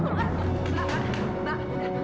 keluar mbak mbak mbak